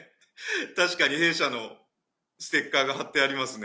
確かに弊社のステッカーが貼ってありますね。